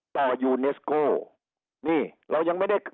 ยูเนสโก้นี่เรายังไม่ได้